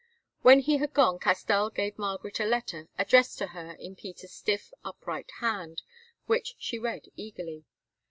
When he had gone, Castell gave Margaret a letter, addressed to her in Peter's stiff, upright hand, which she read eagerly.